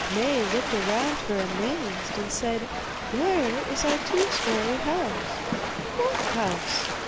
Maie looked around her amazed, and said, 'Where is our two storey house?' 'What house?